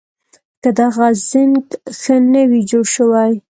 که دغه زېنک ښه نه وي جوړ شوي